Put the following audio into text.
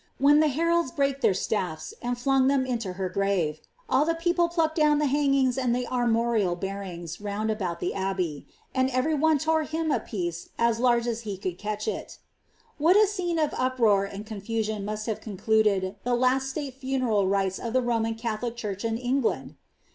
When the iieralds brake their stafik, sad ilong them into her graTc, all the people plucked down the bangiagi and the armorial beanngs round about the abbey ; and OYery one ton him a piece as large as he could catch it" What a scene of nproar aad confusion must have concluded the last state funeral rites of the Room church in England